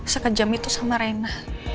sekejam itu sama reyna